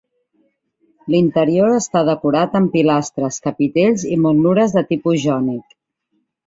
L'interior està decorat amb pilastres, capitells i motlures de tipus jònic.